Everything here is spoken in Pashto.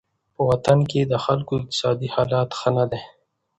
په وطن کې د خلکو اقتصادي حالت ښه نه دی.